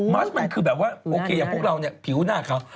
มาร์ชมันคือแบบว่าโอเคพวกเราเนี่ยผิวหน้าเขา